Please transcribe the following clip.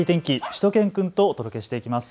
しゅと犬くんとお届けしていきます。